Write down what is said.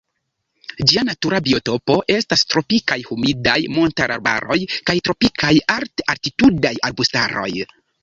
Ĝia natura biotopo estas tropikaj humidaj montarbaroj kaj tropikaj alt-altitudaj arbustaroj.